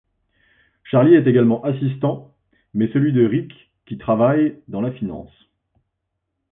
Charlie est également assistant, mais celui de Rick qui travail dans la finance.